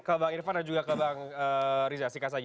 ke bang irfan dan juga ke bang riza sikat saja